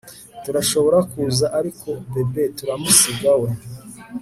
turashobora kuza ariko bebe turamusiga we